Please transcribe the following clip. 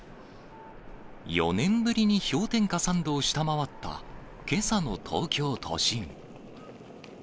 ４年ぶりに氷点下３度を下回ったけさの東京都心。